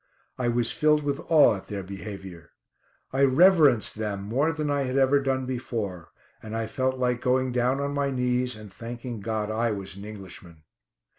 I was filled with awe at their behaviour. I reverenced them more than I had ever done before; and I felt like going down on my knees and thanking God I was an Englishman.